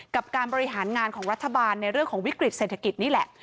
กับการบริหารงานของรัฐบาลในเรื่องของวิกฤตเศรษฐกิจนี่แหละ